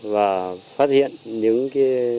và phát hiện những cái